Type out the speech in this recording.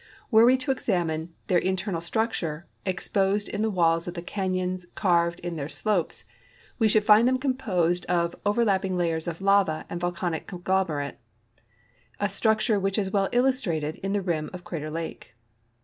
Were we to exam ine their internal structure, exposed in the walls of the canj^ons carved in their slopes, we should find them composed of over lapping layers of lava and volcanic conglomerate, a structure which is well illustrated in the rim of Crater lake.